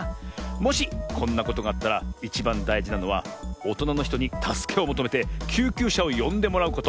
もしこんなことがあったらいちばんだいじなのはおとなのひとにたすけをもとめてきゅうきゅうしゃをよんでもらうこと。